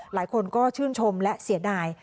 หลายคนก็ชื่นชมและเสียดาย